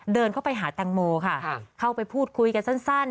เดินเข้าไปหาแตงโมค่ะเข้าไปพูดคุยกันสั้น